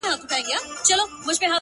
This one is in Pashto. • په هغه دم له بازاره وې راغلي ,